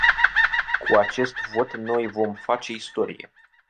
Cu acest vot noi vom face istorie.